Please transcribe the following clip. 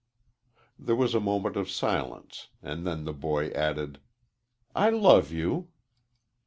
There was a moment of silence, and then the boy added, "I love you."